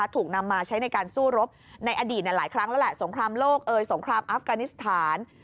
ถูกนำมาใช้ในการสู้รบในอดีตหลายครั้งแล้วแหละสงครามโลกเอยสงครามอัฟกานิสถาน